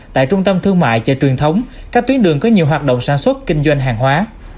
tại trung tâm thương mại và truyền thống các tuyến đường có nhiều hoạt động sản xuất kinh doanh hàng hóa